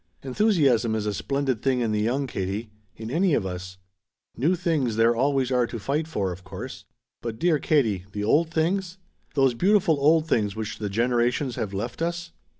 Enthusiasm is a splendid thing in the young, Katie. In any of us. New things there always are to fight for, of course. But, dear Katie the old things? Those beautiful old things which the generations have left us?